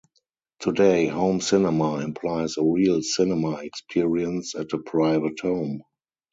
Today, home cinema implies a real "cinema experience" at a private home.